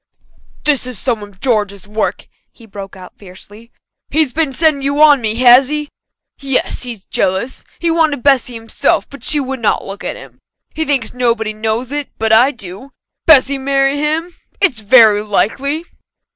"This is some of George's work," he broke out fiercely. "He's been setting you on me, has he? Yes, he's jealous he wanted Bessy himself, but she would not look at him. He thinks nobody knows it, but I do. Bessy marry him? It's very likely!"